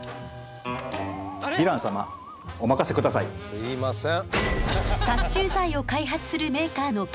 すみません。